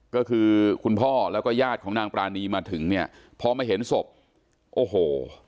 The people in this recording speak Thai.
ก็คือคุณพ่อแล้วก็ญาติของนางปรานีมาถึงเนี่ยพอมาเห็นศพโอ้โห